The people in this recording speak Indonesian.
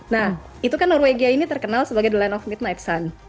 nah itu kan norwegia ini terkenal sebagai the land of midnight sun